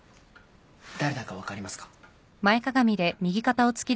誰だか分かりますか？